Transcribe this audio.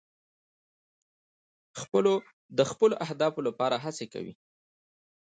د خپلو اهدافو لپاره هڅې کوئ.